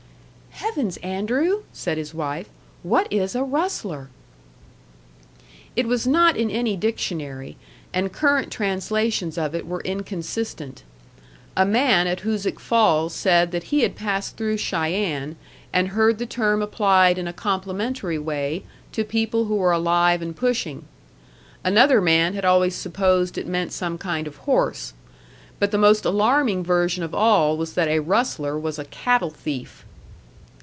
"Heavens, Andrew!" said his wife; "what is a rustler?" It was not in any dictionary, and current translations of it were inconsistent. A man at Hoosic Falls said that he had passed through Cheyenne, and heard the term applied in a complimentary way to people who were alive and pushing. Another man had always supposed it meant some kind of horse. But the most alarming version of all was that a rustler was a cattle thief.